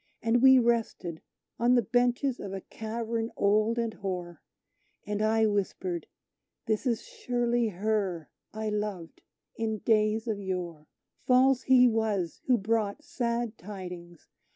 And we rested on the benches of a cavern old and hoar; And I whispered, "this is surely her I loved in days of yore! False he was who brought sad tidings!